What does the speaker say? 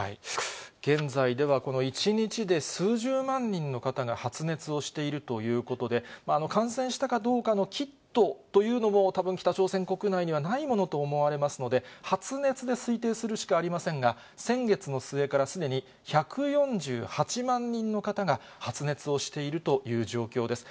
現在では１日で数十万人の方が発熱をしているということで、感染したかどうかのキットというのも、たぶん北朝鮮国内にはないものと思われますので、発熱で推定するしかありませんが、先月の末からすでに１４８万人の方が発熱をしているという状況です。